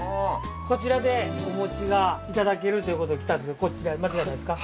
こちらでおがいただけるということで来たんですけど間違いないですか？